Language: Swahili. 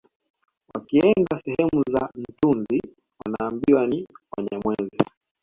Wakienda sehemu za Ntunzu wanaambiwa ni Wanyamwezi